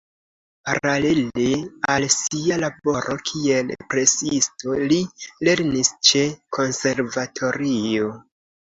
Paralele al sia laboro kiel presisto li lernis ĉe konservatorio.